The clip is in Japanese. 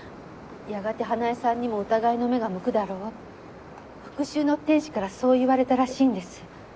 やがて花絵さんにも疑いの目が向くだろうって復讐の天使からそう言われたらしいんです。